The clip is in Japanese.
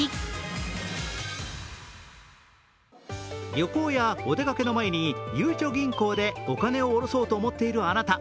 旅行やお出かけの前にゆうちょ銀行でお金を下ろそうと思っているあなた。